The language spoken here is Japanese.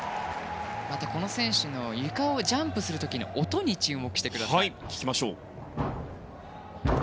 この選手のゆかをジャンプする時の音に注目してください。